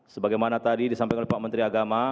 sebagaimana tadi disampaikan oleh pak menteri agama